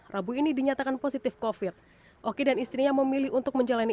rabu ini dinyatakan positif kofit oki dan istrinya memilih untuk menjalani